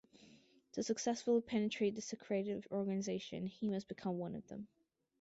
To successfully penetrate the secretive organization, he must become one of them.